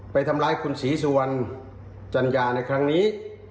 ไปทำร้ายคุณศรีสุวรรณจัญญาในครั้งนี้